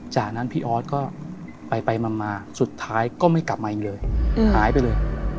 จากนั้นพี่ออสก็ไปมาสุดท้ายก็ไม่กลับมาอีกเลยหายไปเลย